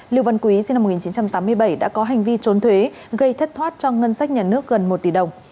lưu văn quý sinh năm một nghìn chín trăm tám mươi bảy đã có hành vi trốn thuế gây thất thoát cho ngân sách nhà nước gần một tỷ đồng